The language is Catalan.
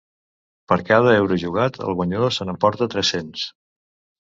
Per cada euro jugat, el guanyador se n’emporta tres-cents.